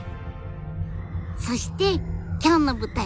そして今日の舞台